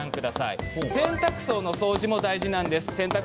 洗濯槽の掃除も大事です。